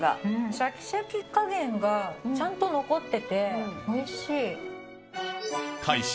シャキシャキ加減がちゃんと残ってておいしい。